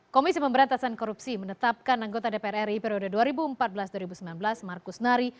komisi pemberantasan korupsi menetapkan anggota dpr ri periode dua ribu empat belas dua ribu sembilan belas markus nari